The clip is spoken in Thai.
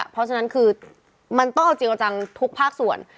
เพราะฉะนั้นคือมันต้องเอาจริงเอาจังทุกภาคส่วน